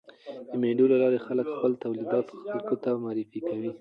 د مېلو له لاري خلک خپل تولیدات خلکو ته معرفي کوي.